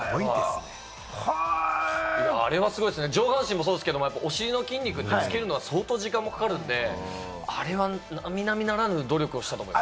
あれはすごいですね、上半身もそうですけれど、お尻の筋肉ってつけるのが相当時間もかかるので、あれは並々ならぬ努力をしたと思います。